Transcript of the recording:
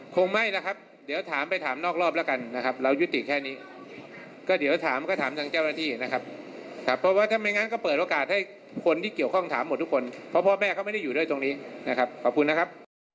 คงไม่นะครับเดี๋ยวถามไปถามนอกรอบแล้วกันนะครับเรายุติแค่นี้ก็เดี๋ยวถามก็ถามทางเจ้าหน้าที่นะครับครับเพราะว่าถ้าไม่งั้นก็เปิดโอกาสให้คนที่เกี่ยวข้องถามหมดทุกคนเพราะพ่อแม่เขาไม่ได้อยู่ด้วยตรงนี้นะครับขอบคุณนะครับ